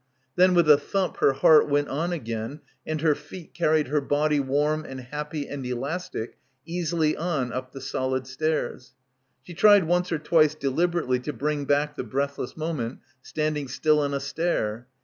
Then with a thump her heart went on again and her feet carried her body warm and happy and elastic easily on up the solid stairs. She tried once or twice deliberately to bring back the breathless moment standing still on a stair.